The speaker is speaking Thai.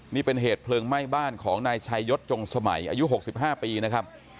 นี่เป็นเหตุเพลิงไหม้บ้านของนายชัยยศจงสมัยอายุ๖๕ปีนะครับ